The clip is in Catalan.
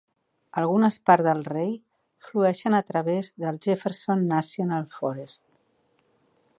Algunes parts del rei flueixen a través del Jefferson National Forest.